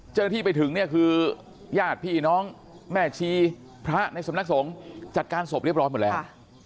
เจ้าหน้าที่ไปถึงเนี่ยคือญาติพี่น้องแม่ชีพระในสำนักสงฆ์จัดการศพเรียบร้อยหมดแล้ว